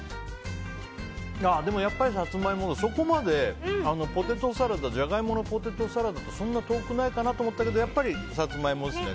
でもやっぱりサツマイモそこまでジャガイモのポテトサラダとそんな遠くないかなと思ったけどやっぱりサツマイモですね。